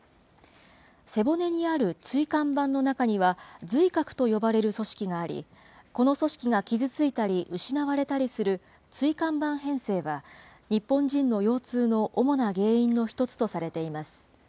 背骨にある椎間板の中には、髄核と呼ばれる組織があり、この組織が傷ついたり、失われたりする椎間板変性は、日本人の腰痛の主な原因の一つとされています。